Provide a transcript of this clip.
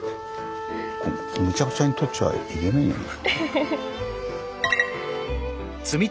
こうむちゃくちゃにとっちゃいけないよね。